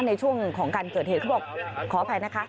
ในช่วงของการเกิดเหตุเขาบอกขออภัยนะคะ